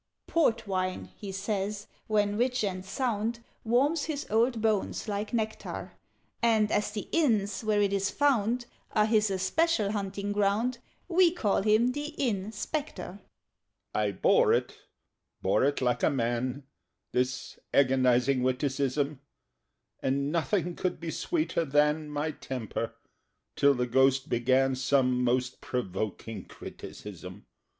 [Illustration: "AND HERE IT TOOK THE FORM OF THIRST"] "Port wine, he says, when rich and sound, Warms his old bones like nectar: And as the inns, where it is found, Are his especial hunting ground, We call him the Inn Spectre." I bore it bore it like a man This agonizing witticism! And nothing could be sweeter than My temper, till the Ghost began Some most provoking criticism.